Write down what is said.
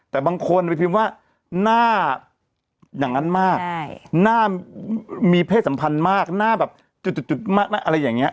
แต่บางคนไปพิมพ์ว่าหน้าอย่างนั้นมากหน้ามีเพศสัมพันธ์มากหน้าแบบจุดมากอะไรอย่างนี้